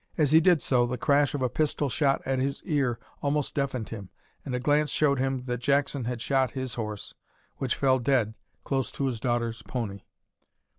As he did so, the crash of a pistol shot at his ear almost deafened him, and a glance showed him that Jackson had shot his horse, which fell dead close to his daughter's pony.